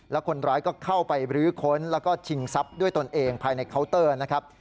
แล้วคนร้ายก็เข้าไปบรื้อค้นแล้วก็ชิงทรัพย์ด้วยตนเองภายในเคาน์เตอร์นะครับ